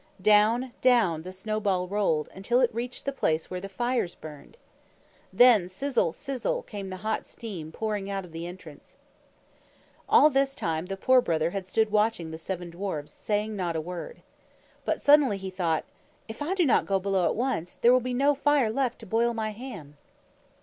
Down, down, the snowball rolled, until it reached the place where the fires burned. Then sizzle, sizzle, came the hot steam pouring out of the entrance. All this time the Poor Brother had stood watching the seven dwarfs, and saying not a word. But suddenly he thought, "If I do not go Below at once, there will be no fire left to boil my ham."